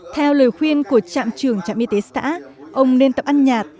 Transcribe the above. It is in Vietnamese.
theo lời khuyên của trạm trưởng trạm y tế xã ông nên tập ăn nhạt